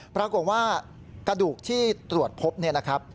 ประกว่ากระดูกที่ตรวจพบ